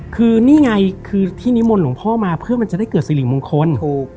คือนี่ไงคือที่นิมนต์หลวงพ่อมาเพื่อมันจะได้เกิดสิริมงคล